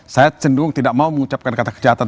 saya cenderung tidak mau mengucapkan kata kejahatan